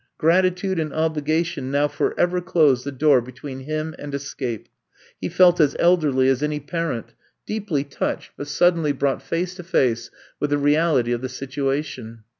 Grati tude and obligation now forever closed the door between him and escape. He felt as elderly as any parent, deeply touched, but I'VE COME TO STAY 149 suddenly brought face to face with the real ity of the situation.